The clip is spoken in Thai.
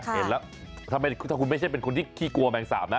เห็นแล้วถ้าคุณไม่ใช่เป็นคนที่ขี้กลัวแมงสาบนะ